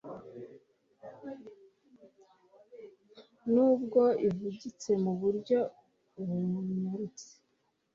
nubwo ivugitse mu buryo bunyarutse